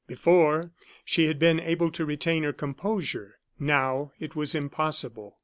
Before, she had been able to retain her composure; now, it was impossible.